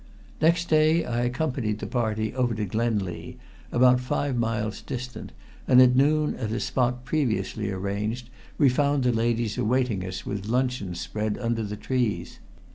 Next day I accompanied the party over to Glenlea, about five miles distant, and at noon at a spot previously arranged, we found the ladies awaiting us with luncheon spread under the trees.